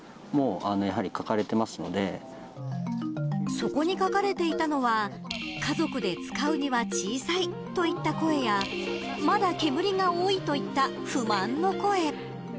そこに書かれていたのは家族で使うには小さいといった声やまだ煙が多いといった不満の声。